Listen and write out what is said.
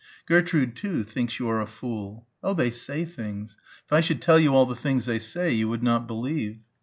Gertrude, too, thinks you are a fool. Oh, they say things. If I should tell you all the things they say you would not believe."